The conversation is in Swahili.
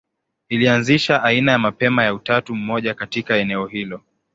Ilianzisha aina ya mapema ya utatu mmoja katika eneo hilo.